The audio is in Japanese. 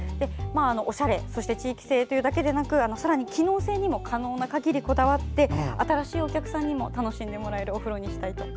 おしゃれそして地域性というだけでなく機能性にも可能な限りこだわって新しいお客さんにも楽しんでもらえるお風呂にしたい。